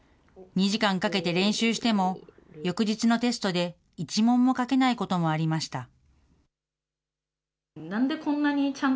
２時間かけて練習しても、翌日のテストで１問も書けないこともありました。